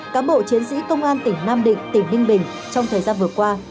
cám bộ chiến sĩ công an tỉnh nam định tỉnh ninh bình trong thời gian vừa qua